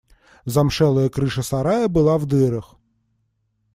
Замшелая крыша сарая была в дырах.